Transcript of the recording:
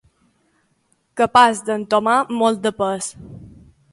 Capaç d'entomar molt de pes.